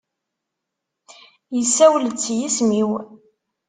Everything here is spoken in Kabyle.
Yessawel-d s yisem-iw.